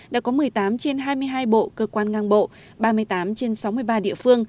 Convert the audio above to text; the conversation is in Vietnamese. đã có một mươi tám trên hai mươi hai bộ cơ quan ngang bộ ba mươi tám trên sáu mươi ba địa phương